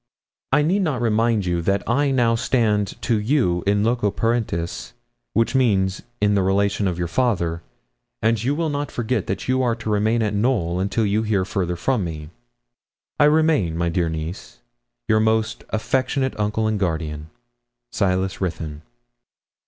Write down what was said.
I need not remind you that I now stand to you in loco parentis, which means in the relation of father, and you will not forget that you are to remain at Knowl until you hear further from me. 'I remain, my dear niece, your most affectionate uncle and guardian, SILAS RUTHYN.'